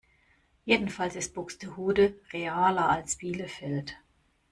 Jedenfalls ist Buxtehude realer als Bielefeld.